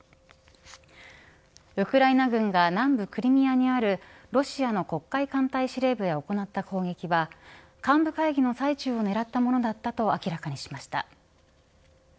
ウクライナ軍が南部クリミアにあるロシアの黒海艦隊司令部へ行った攻撃は幹部会議の最中を狙ったものだったと明らかにしました。